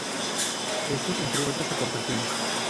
Esto entre otras aportaciones.